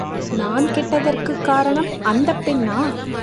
நான் கெட்டதற்குக் காரணம் அந்தப் பெண்ணா?